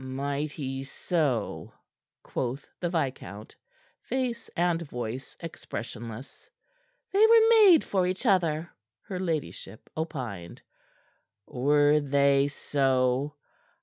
"Might he so?" quoth the viscount, face and voice, expressionless. "They were made for each other," her ladyship opined. "Were they so?"